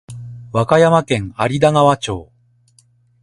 和歌山県有田川町